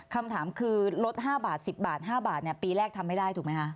คำถามคือลด๕บาท๑๐บาท๕บาทปีแรกทำไม่ได้ถูกไหมคะ